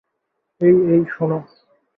এই এই শোনো।